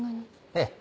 ええ。